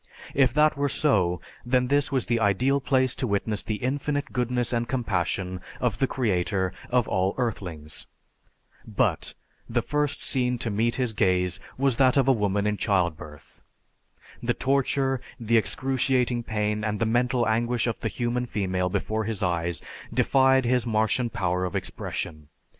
If that were so, then this was the ideal place to witness the infinite goodness and compassion of the Creator of all earthlings. But, the first scene to meet his gaze was that of a woman in childbirth. The torture, the excruciating pain, and the mental anguish of the human female before his eyes, defied his Martian power of expression.